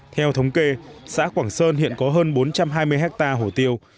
theo thống kê xã quảng sơn hiện có hơn bốn trăm hai mươi hectare hồ tiêu